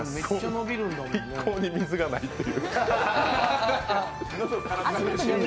一向に水がないという。